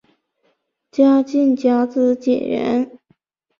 嘉靖甲子解元。